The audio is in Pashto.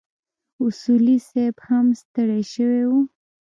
اصولي صیب هم ستړی شوی و.